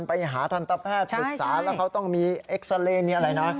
ไปหาทันตรัพยาพย์ปรึกษาเขาต้องมีเอกซาเรน